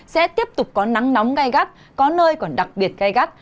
sẽ tiếp tục có nắng nóng gai gắt có nơi còn đặc biệt gai gắt